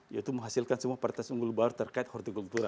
yaitu menghasilkan semua partas unggul baur terkait horticultura